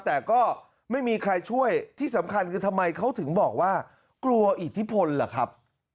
แต่ก็ไม่มีใครช่วยที่สำคัญคือทำไมเขาถึงบอกว่ากลัวอิทธิพลล่ะครับ